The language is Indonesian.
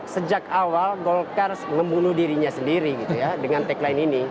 sejak awal golkar membunuh dirinya sendiri dengan tagline ini